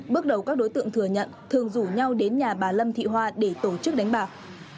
bước đầu các đối tượng thừa nhận thường rủ nhau đến nhà bà lâm thị hoa để tổ chức đánh bạc